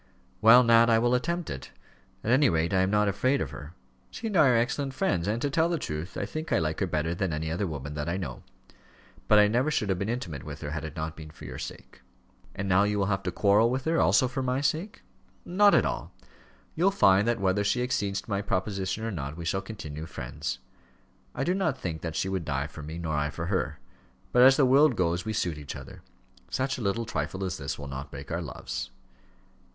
"Well, Nat, I will attempt it. At any rate, I am not afraid of her. She and I are excellent friends, and, to tell the truth, I think I like her better than any other woman that I know; but I never should have been intimate with her, had it not been for your sake." "And now you will have to quarrel with her, also for my sake?" "Not at all. You'll find that whether she accedes to my proposition or not, we shall continue friends. I do not think that she would die for me nor I for her. But as the world goes we suit each other. Such a little trifle as this will not break our loves."